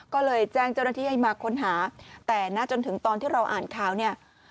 ก็เลยแจ้งเจ้าหน้าที่ให้มาค้นหาแต่นะจนถึงตอนที่เราอ่านข่าวเนี่ย